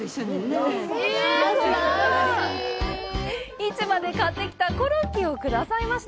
市場で買ってきたコロッケをくださいました。